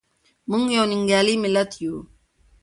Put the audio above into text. موږ یو ننګیالی ملت یو.